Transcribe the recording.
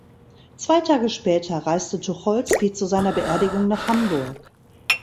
Zwei Tage später reiste Tucholsky zu seiner Beerdigung nach Hamburg.